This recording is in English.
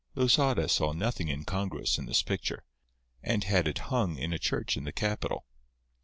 Losada saw nothing incongruous in this picture, and had it hung in a church in the capital.